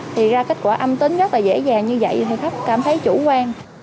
thì ra kết quả âm tính rất là dễ dàng như vậy thì khách cảm thấy chủ quan